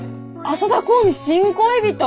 浅田航に新恋人？